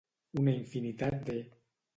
Una infinitat de.